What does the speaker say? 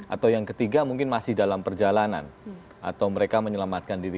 atau yang ketiga mungkin masih dalam perjalanan atau mereka menyelamatkan diri